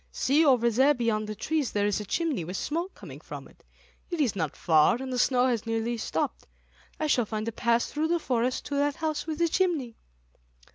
See, over there beyond the trees, there is a chimney with smoke coming from it. It is not far, and the snow has nearly stopped, I shall find a path through the forest to that house with the chimney."